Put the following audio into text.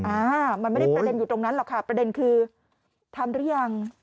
อ่ามันไม่ได้ประเด็นอยู่ตรงนั้นหรอกค่ะประเด็นคือทำหรือยัง